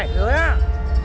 đi về trong này